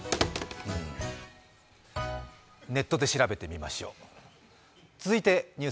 ネットで調べてみましょう。